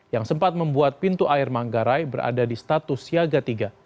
yang sempat membuat pintu air manggarai berada di status siaga tiga